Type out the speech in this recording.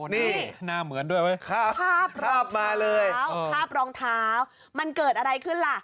นี่ข้าบรองเท้าข้าบรองเท้ามันเกิดอะไรขึ้นล่ะ